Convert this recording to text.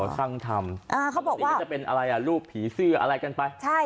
อ๋อสร้างทำเขาบอกว่าเป็นอะไรลูกผีซื้ออะไรกันไป